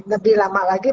lebih lama lagi